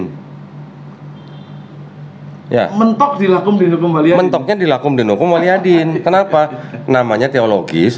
hai ya mentok dilakukin kembali mentoknya dilakukin kemari adin kenapa namanya teologis